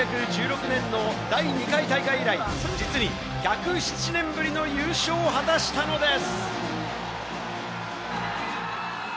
１９１６年の第２回大会以来、実に１０７年ぶりの優勝を果たしたのです。